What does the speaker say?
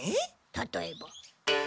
例えば。